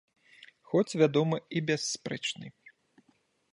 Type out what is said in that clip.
Хоць, вядома, і бясспрэчны.